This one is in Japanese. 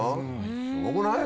すごくない？